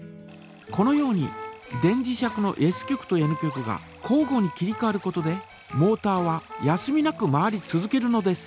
このように電磁石のＳ極とＮ極が交ごに切りかわることでモータは休みなく回り続けるのです。